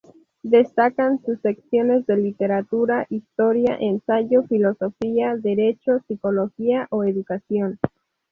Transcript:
Destacan sus secciones de literatura, historia, ensayo, filosofía, derecho, psicología o educación.